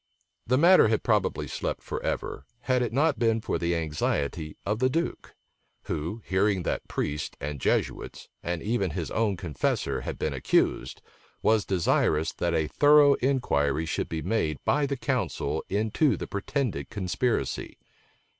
The matter had probably slept forever, had it not been for the anxiety of the duke; who, hearing that priests and Jesuits, and even his own confessor, had been accused, was desirous that a thorough inquiry should be made by the council into the pretended conspiracy.